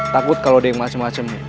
takut kalo ada yang macem macem nih